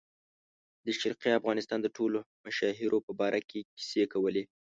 د شرقي افغانستان د ټولو مشاهیرو په باره کې کیسې کولې.